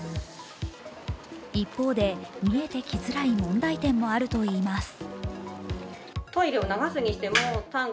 一方で見えてきづらい問題点もあるといいます。